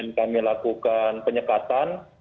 dan kami lakukan penyekatan